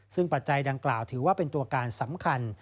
ซึ่งปัจจัยดังกล่าวถือว่าเป็นตัวการสำคัญ